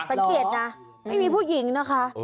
สังเกตนะไม่มีผู้หญิงนะคะ